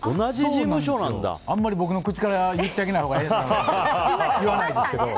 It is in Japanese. あまり僕の口から言ってあげないほうがええのかなと思って言わないですけど。